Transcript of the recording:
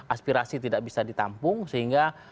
aspirasi tidak bisa ditampung sehingga